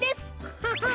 ハハハ。